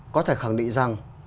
có thể khẳng định rằng